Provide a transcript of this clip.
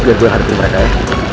biar gue hadapi mereka ya